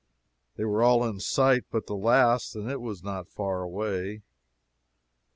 They were all in sight but the last, and it was not far away.